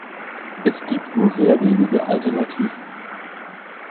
Es gibt nur sehr wenige Alternativen.